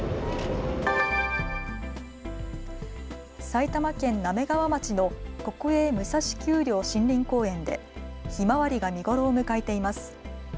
埼玉県滑川町の国営武蔵丘陵森林公園でひまわりが見頃を迎えています。